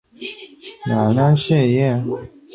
鞍叶藓为细鳞藓科鞍叶藓属下的一个种。